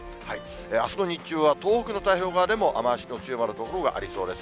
あすの日中は、東北の太平洋側でも雨足の強まる所がありそうです。